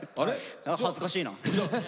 何か恥ずかしいな。